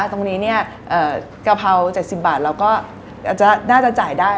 ตรงนี้กะเพรา๗๐บาทเราก็น่าจะจ่ายได้